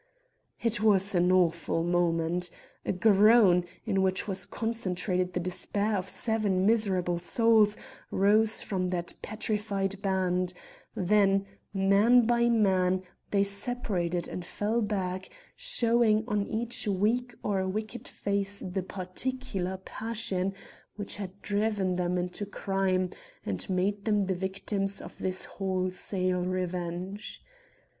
It was an awful moment. A groan, in which was concentrated the despair of seven miserable souls, rose from that petrified band; then, man by man, they separated and fell back, showing on each weak or wicked face the particular passion which had driven them into crime and made them the victims of this wholesale revenge.